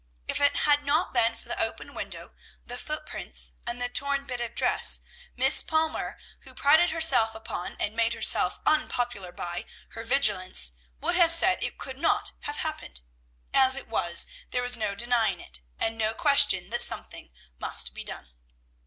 If it had not been for the open window, the footprints, and the torn bit of dress, Miss Palmer, who prided herself upon, and made herself unpopular by, her vigilance, would have said it could not have happened; as it was, there was no denying it, and no question that something must be done.